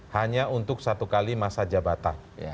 hanya untuk satu kali masa jabatan